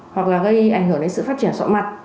hoặc là gây ảnh hưởng đến sự phát triển mọi mặt